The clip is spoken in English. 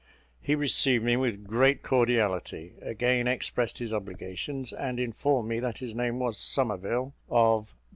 He received me with great cordiality, again expressed his obligations, and informed me that his name was Somerville, of